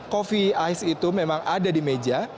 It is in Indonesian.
coffee ice itu memang ada di meja